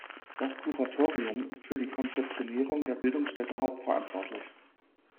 Das Kuratorium ist für die Konzeptionierung der Bildungsstätte hauptverantwortlich.